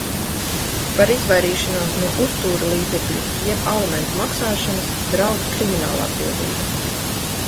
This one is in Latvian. Par izvairīšanos no uzturlīdzekļu jeb alimentu maksāšanas draud kriminālatbildība.